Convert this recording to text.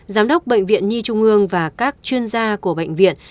giám đốc bệnh viện nhi trung ương và các chuyên gia của bệnh viện